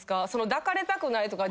抱かれたくないとか。